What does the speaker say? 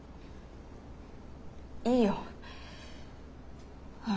いいよ。